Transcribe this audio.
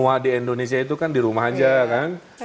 dan yang menua di indonesia itu kan di rumah aja kan